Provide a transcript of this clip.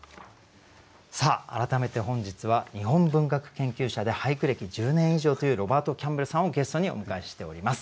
さあ改めて本日は日本文学研究者で俳句歴１０年以上というロバート・キャンベルさんをゲストにお迎えしております。